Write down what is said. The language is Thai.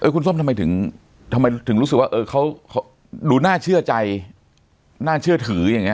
คุณส้มทำไมถึงรู้สึกว่าเขาดูน่าเชื่อใจน่าเชื่อถืออย่างนี้